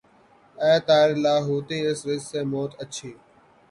اے طائر لاہوتی اس رزق سے موت اچھی